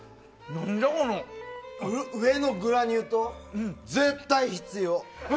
上のグラニュー糖、絶対必要！